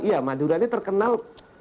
iya madura ini terkenal